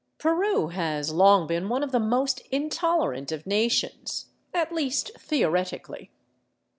Peru has long been one of the most intolerant of nations, at least theoretically.